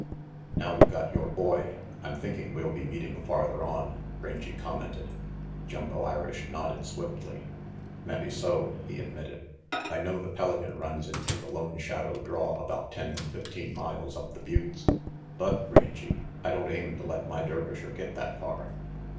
"Now you got your boy, I'm thinking we'll be meeting farther on," Rangy commented. Jumbo Irish nodded swiftly. "Mabbe so," he admitted. "I know the Pelican runs into the Lone Shadow draw about ten fifteen miles up the buttes, but, Rangy, I don't aim to let my Dervisher get that far.